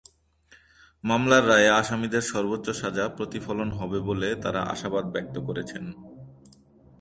মামলার রায়ে আসামিদের সর্বোচ্চ সাজা প্রতিফলন হবে বলে তাঁরা আশাবাদ ব্যক্ত করেছেন।